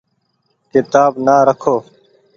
ڪيتآب نآ رکو ۔